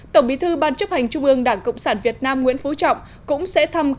tổng bí thư ban chấp hành trung ương đảng cộng sản việt nam nguyễn phú trọng cũng sẽ thăm